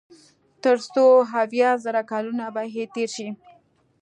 تر څو اويا زره کلونه به ئې تېر شي